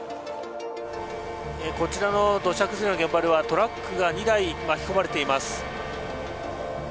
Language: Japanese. こちらの土砂崩れの現場ではトラックが２台巻き込まれています。